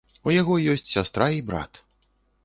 У яго ёсць сястра і брат.